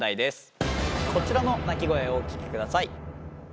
こちらの鳴き声をお聞きください。